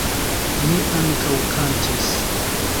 Ni ankaŭ kantis.